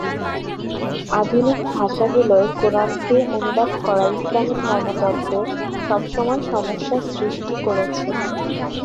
আধুনিক ভাষাগুলোয় কুরআনকে অনুবাদ করা ইসলামী ধর্মতত্ত্বে সবসময় সমস্যার সৃষ্টি করেছে।